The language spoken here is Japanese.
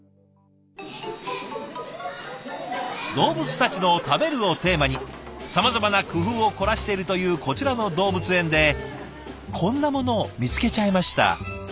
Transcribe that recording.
動物たちの「食べる」をテーマにさまざまな工夫を凝らしてるというこちらの動物園でこんなものを見つけちゃいました。